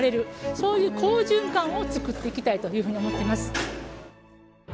そういう好循環を作っていきたいというふうに思ってます。